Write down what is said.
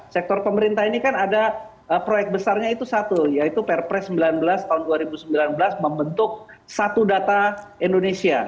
sektor pemerintah ini kan ada proyek besarnya itu satu yaitu perpres sembilan belas tahun dua ribu sembilan belas membentuk satu data indonesia